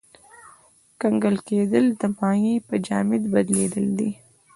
کنګل کېدل د مایع په جامد بدلیدل دي.